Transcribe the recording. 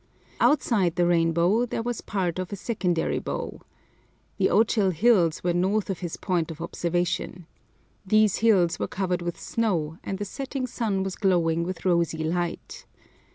Outside the rainbow there was part of a secondary bow. The Ochil Hills were north of his point of observation. These hills were covered with snow, and the setting sun was glowing with rosy light.